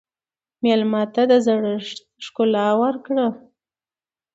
مېلمه ته د زړښت ښکلا ورکړه.